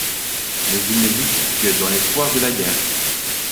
Mais il ne vit que dans l'espoir de la guerre.